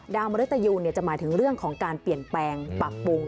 มริตยูจะหมายถึงเรื่องของการเปลี่ยนแปลงปรับปรุง